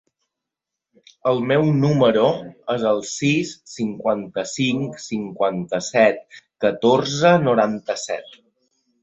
El meu número es el sis, cinquanta-cinc, cinquanta-set, catorze, noranta-set.